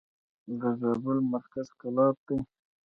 د زابل مرکز قلات دئ.